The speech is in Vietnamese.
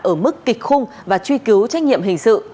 ở mức kịch khung và truy cứu trách nhiệm hình sự